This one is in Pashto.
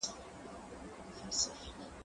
زه اوږده وخت مځکي ته ګورم وم،